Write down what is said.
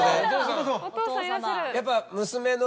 やっぱ。